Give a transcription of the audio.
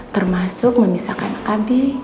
termasuk memisahkan abi